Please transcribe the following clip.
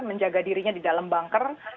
menjaga dirinya di dalam bunker